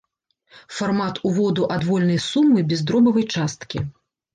Фармат уводу адвольнай сумы без дробавай часткі.